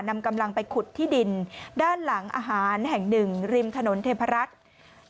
นำกำลังไปขุดที่ดินด้านหลังอาหารแห่งหนึ่งริมถนนเทพรักษ์